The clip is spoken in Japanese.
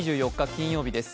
金曜日です。